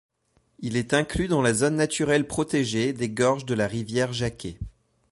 Il est inclus dans la Zone naturelle protégée des Gorges de la rivière Jacquet.